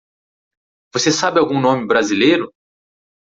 Você sabe algum nome brasileiro?